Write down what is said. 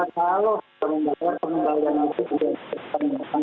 kalau membayar pembayaran itu sudah disesuaikan